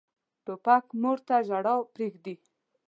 توپک مور ته ژړا پرېږدي.